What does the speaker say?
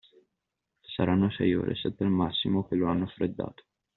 Saranno sei ore, sette al massimo, che lo hanno freddato.